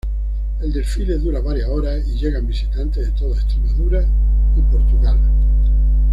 El desfile dura varias horas y llegan visitantes de toda Extremadura y Portugal.